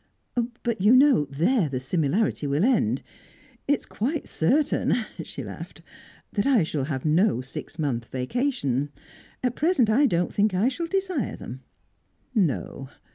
"But, you know, there the similarity will end. It is quite certain" she laughed "that I shall have no six months' vacations. At present, I don't think I shall desire them." "No.